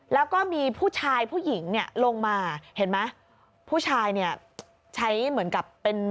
แล้วก็มีผู้ชายผู้หญิงเนี่ยลงมาเห็นไหมผู้ชายเนี่ยใช้เหมือนกับเป็น